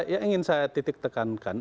yang ingin saya titik tekankan